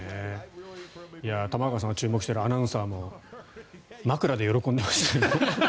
玉川さんが注目しているアナウンサーも枕で喜んでましたよ。